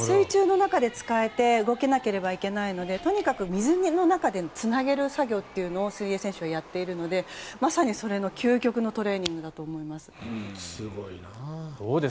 水中の中で使えて動けないといけないので水の中でつなげる作業を選手たちはやっているのでまさにそれの究極のトレーニングだと思います。